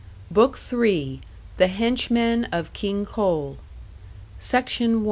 BOOK THREE THE HENCHMEN OF KING COAL SECTION 1.